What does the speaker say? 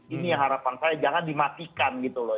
ini yang harapan saya jangan dimatikan gitu loh